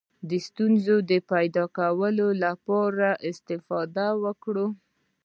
د ستونزو د پیدا کولو لپاره استفاده وکړه.